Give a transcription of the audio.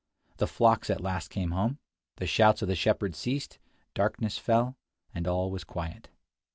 The flocks at last came home; the shouts of the shepherds ceased; darkness fell; and all was quiet.